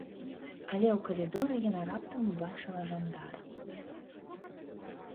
Але ў калідоры яна раптам убачыла жандара.